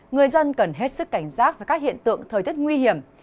người dân cần hết sức cảnh giác với các hiện tượng thời tiết nguy hiểm